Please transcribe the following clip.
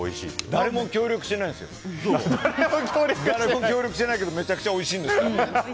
誰も協力しないけどめちゃくちゃおいしいんですよ。